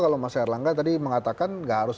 kalau mas erlangga tadi mengatakan nggak harus